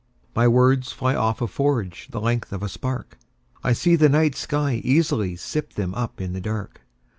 My words fly off a forgeThe length of a spark;I see the night sky easily sip themUp in the dark.